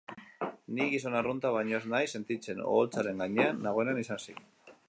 Ni gizon arrunta baino ez naiz sentitzen, oholtzaren gainean nagoenean izan ezik.